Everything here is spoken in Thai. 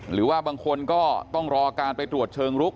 หรือว่าบางคนก็ต้องรอการไปตรวจเชิงลุก